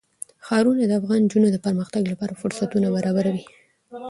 ښارونه د افغان نجونو د پرمختګ لپاره فرصتونه برابروي.